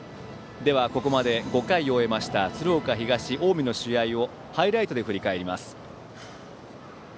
では、ここまで５回を終えた鶴岡東と近江の試合をハイライトで振り返ります。